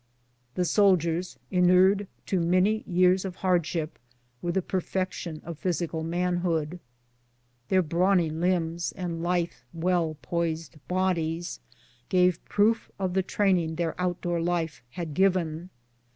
The soldiers, inured to many years of hardship, were the perfection of physical manhood. Their brawny limbs and lithe, well poised bodies gave proof of the training their out door life had given.